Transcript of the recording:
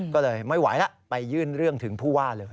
ก็เลยไม่ไหวแล้วไปยื่นเรื่องถึงผู้ว่าเลย